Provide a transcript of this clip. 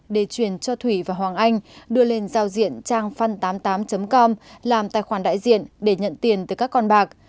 để truyền cho thủy và hoàng anh đưa lên giao diện trang fan tám mươi tám com làm tài khoản đại diện để nhận tiền từ các con bạc